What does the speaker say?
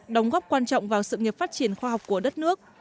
đóng góp quan trọng vào sự nghiệp phát triển khoa học của đất nước